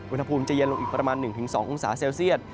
อุณหภูมิจะเย็นลงอีกประมาณ๑๒องศาเซลเซียต